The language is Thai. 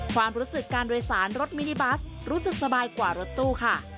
ความรู้สึกการโดยสารรถมินิบัสรู้สึกสบายกว่ารถตู้ค่ะ